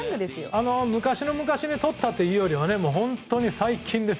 昔の昔にとったというよりは本当に最近です。